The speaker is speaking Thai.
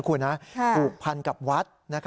อุบพันธ์กับวัด